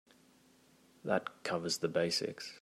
That covers the basics.